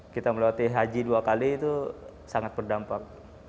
kita melewati haji dua kali itu sangat berdampak